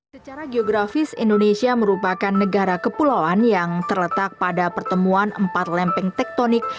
secara geografis indonesia merupakan negara kepulauan yang terletak pada pertemuan empat lempeng tektonik